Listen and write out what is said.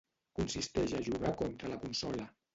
Consisteix a jugar contra la consola.